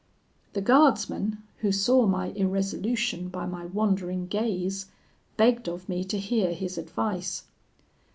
"The guardsman, who saw my irresolution by my wandering gaze, begged of me to hear his advice.